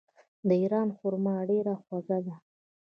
د ایران خرما ډیره خوږه ده.